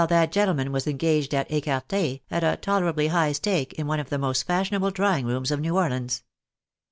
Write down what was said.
171 that gentleman was engaged at ecarte at a tolerably high stake, in one of the most fashionable drawing rooms of New Orleans.